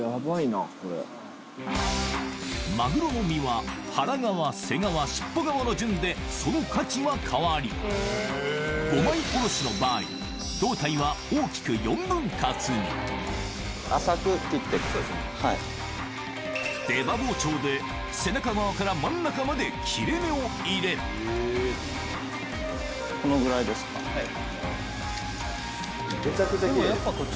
マグロの身は腹側背側尻尾側の順でその価値は変わり胴体は出刃包丁で背中側から真ん中まで切れ目を入れはい。